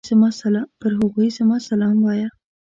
پر هغوی زما سلام وايه!